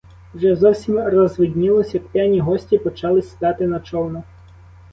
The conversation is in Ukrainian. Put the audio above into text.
Вже зовсім розвиднілось, як п'яні гості почали сідати на човни.